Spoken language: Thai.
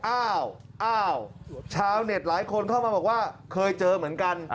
อ้าวอ้าวชาวเน็ตหลายคนเข้ามาบอกว่าเคยเจอเหมือนกัน